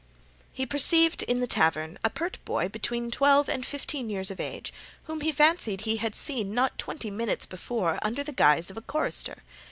He perceived in the tavern a pert boy between twelve and fifteen years of age whom he fancied he had seen not twenty minutes before under the guise of a chorister.